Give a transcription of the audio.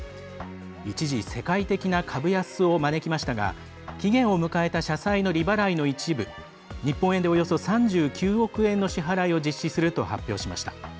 一時、世界的な株安を招きましたが期限を迎えた社債の利払いの一部日本円でおよそ３９億円の支払いを実施すると発表しました。